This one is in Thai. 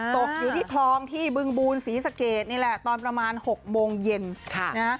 ตกอยู่ที่คลองที่บึงบูลศรีสะเกดนี่แหละตอนประมาณ๖โมงเย็นนะฮะ